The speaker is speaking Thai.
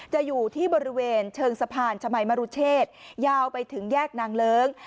อยู่ที่บริเวณเชิงสะพานชมัยมรุเชษยาวไปถึงแยกนางเลิ้ง